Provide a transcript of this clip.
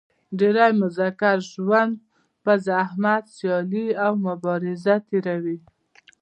ډېری مذکر ژوند په زحمت سیالي او مبازره تېروي.